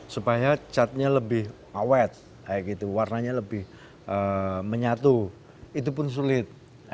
supaya catnya lebih mawet kayak gitu warnanya lebih menyatu itu pun sulit